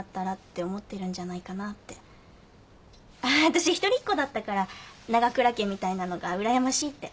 私一人っ子だったから長倉家みたいなのがうらやましいって。